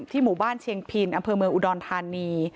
ที่หมู่บ้านเชียงพินอเมืองอุดรธานี